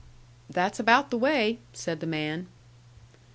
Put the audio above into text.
"That's about the way," said the man.